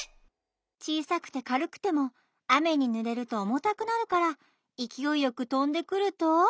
ちいさくてかるくてもあめにぬれるとおもたくなるからいきおいよくとんでくると。